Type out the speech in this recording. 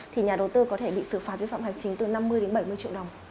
thì nhà đầu tư có thể bị xử phạt vi phạm hành chính từ năm mươi đến bảy mươi triệu đồng